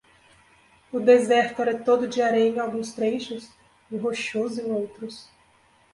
O deserto era todo de areia em alguns trechos? e rochoso em outros.